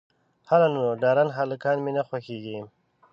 _هله نو، ډارن هلکان مې نه خوښېږي.